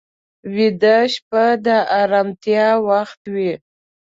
ویده شپه د ارامتیا وخت وي